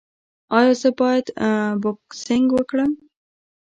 ایا زه باید بوکسینګ وکړم؟